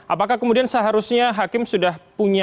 apakah kemudian seharusnya hakim sudah punya